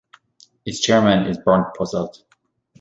Its chairman is Bernd Posselt.